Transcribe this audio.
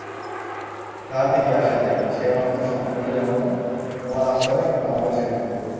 তাহাতে কি আসে যায়! সেই অনন্ত সমুদ্র যেমন তোমার আশ্রয়, আমারও সেইরূপ।